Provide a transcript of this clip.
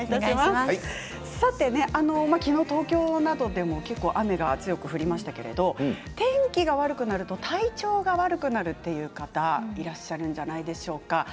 きのう、東京などでは雨が強く降りましたけど天気が悪くなると体調が悪くなるという方、いらっしゃるのではないでしょうか。